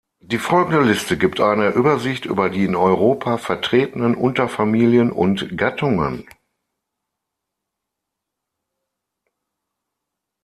Die folgende Liste gibt eine Übersicht über die in Europa vertretenen Unterfamilien und Gattungen.